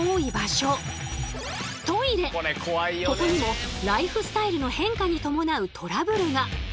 ここにもライフスタイルの変化に伴うトラブルが！